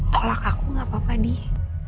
tolak aku gak apa apa deh